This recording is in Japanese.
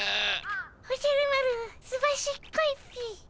おじゃる丸すばしっこいっピ。